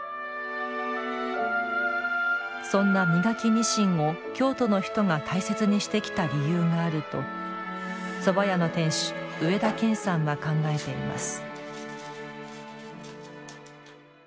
そんな身欠きにしんを京都の人が大切にしてきた理由があるとそば屋の店主植田健さんは考えています。